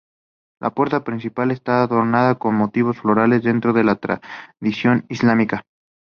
La puerta principal está adornada con motivos florales dentro de la tradición islámica.